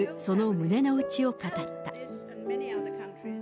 その胸の内を語った。